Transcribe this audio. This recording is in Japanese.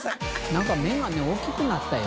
なんか目が大きくなったよ。